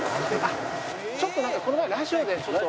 ちょっとなんかこの前ラジオでちょっと。